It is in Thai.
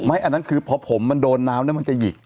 ไม่อันนั้นคือผมมันโดนน้ำ้นจะหยิก